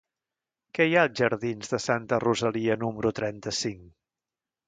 Què hi ha als jardins de Santa Rosalia número trenta-cinc?